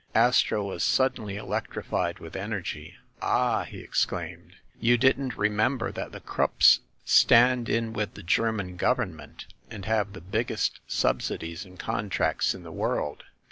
Astro was suddenly electrified with energy. "Ah !" he exclaimed. "You didn't remember that the Krupps stand in with the German government and have the biggest subsidies and contracts in the world?